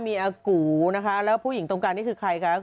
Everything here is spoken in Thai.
มีอากูนะคะแล้วผู้หญิงตรงกลางนี่คือใครคะ